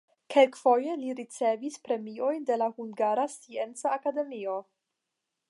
Kelkfoje li ricevis premiojn de la Hungara Scienca Akademio.